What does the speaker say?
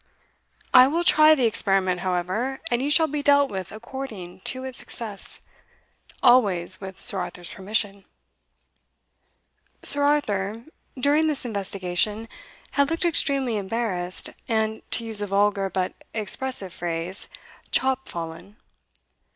"I will try the experiment, however, and you shall be dealt with according to its success, always with Sir Arthur's permission." Sir Arthur, during this investigation, had looked extremely embarrassed, and, to use a vulgar but expressive phrase, chop fallen.